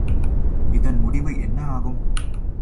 இதன் முடிவு என்ன ஆகும்?